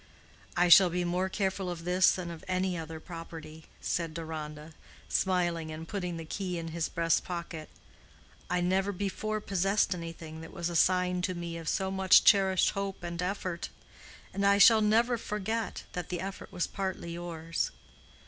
"I shall be more careful of this than of any other property," said Deronda, smiling and putting the key in his breast pocket. "I never before possessed anything that was a sign to me of so much cherished hope and effort. And I shall never forget that the effort was partly yours.